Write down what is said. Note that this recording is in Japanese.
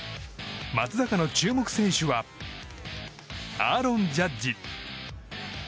松坂の注目選手はアーロン・ジャッジ。